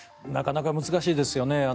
なかなか難しいですよね。